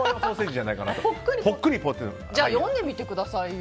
じゃあ、読んでみてくださいよ。